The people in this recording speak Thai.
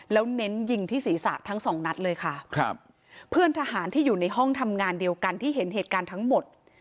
แล้วเน้นยิงที่ศีรษะทั้งสองนัดเลยค่ะครับเพื่อนทหารที่อยู่ในห้องทำงานเดียวกันที่เห็นเหตุการณ์ทั้งหมด